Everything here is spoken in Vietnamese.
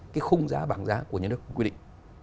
cái khung giá bảng giá của nhà nước quy định